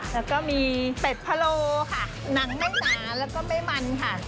แล้วก็มีเป็ดพะโลค่ะหนังไม่หนาแล้วก็ไม่มันค่ะ